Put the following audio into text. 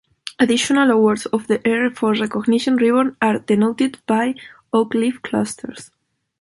Additional awards of the Air Force Recognition Ribbon are denoted by oak leaf clusters.